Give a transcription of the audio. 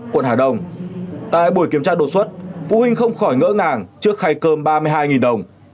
quận hà đông tại buổi kiểm tra đột xuất phụ huynh không khỏi ngỡ ngàng trước khay cơm ba mươi hai đồng